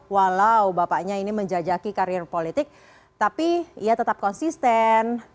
walau bapaknya ini menjajaki karir politik tapi ia tetap konsisten